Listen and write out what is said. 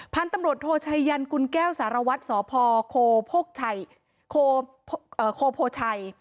พันธุ์ตำรวจโทชัยยันกุลแก้วสารวัตรสพโคโพชัย